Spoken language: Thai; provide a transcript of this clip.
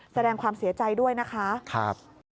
แสดงความเสียใจด้วยนะคะครับ